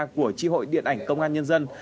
của chi hội điện ảnh công an nhân dân